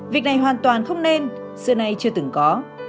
việc này hoàn toàn không nên xưa nay chưa từng có